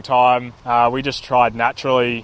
kami hanya mencoba secara natural